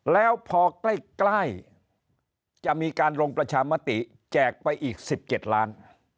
แล้วพอใกล้จะมีการลงประชามติแจกไปอีก๑๗ล้าน